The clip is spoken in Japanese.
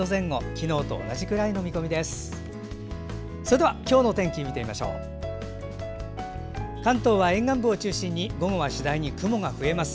昨日と同じくらいの見込みです。